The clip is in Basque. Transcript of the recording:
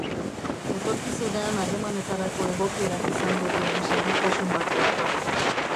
Etorkizunean harremanetarako egokierak izango diren segurtasun bat behar da.